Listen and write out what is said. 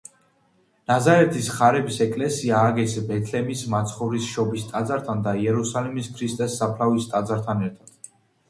ნაზარეთის ხარების ეკლესია ააგეს ბეთლემის მაცხოვრის შობის ტაძართან და იერუსალიმის ქრისტეს საფლავის ტაძართან ერთად.